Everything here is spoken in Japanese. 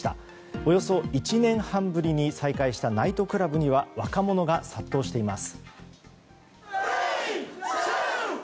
およそ１年半ぶりに再開したナイトクラブには若者が殺到しています。